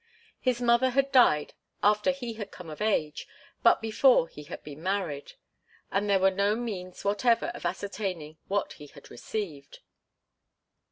His mother had died after he had come of age, but before he had been married, and there were no means whatever of ascertaining what he had received.